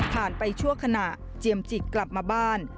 ไปชั่วขณะเจียมจิตกลับมาบ้าน